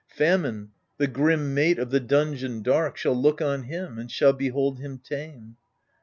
Famine, the grim mate of the dungeon dark. Shall look on him and shall behold him tame.